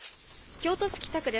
京都市北区です。